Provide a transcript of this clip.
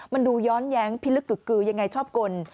มันดูย้อนแย้งพิลึกกึกกือยังไงชอบกล